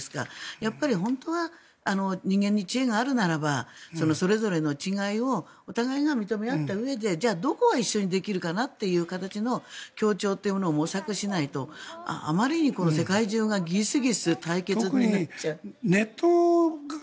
やっぱり本当は人間に知恵があるならばそれぞれの違いをお互いが認め合ったうえでじゃあどこは一緒にできるかなという形の協調を模索しないとあまりに世界中がぎすぎす対決になっちゃう。